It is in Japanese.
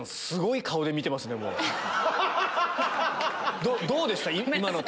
すごい顔で見てますでも。